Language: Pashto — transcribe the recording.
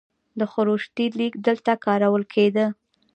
د خروشتي لیک دلته کارول کیده